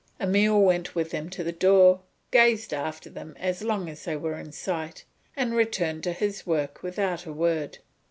Emile went with them to the door, gazed after them as long as they were in sight, and returned to his work without a word.